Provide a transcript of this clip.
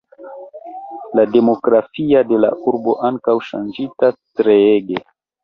La demografia de la urbo ankaŭ ŝanĝita treege.